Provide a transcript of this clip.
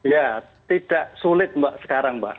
ya tidak sulit mbak sekarang mbak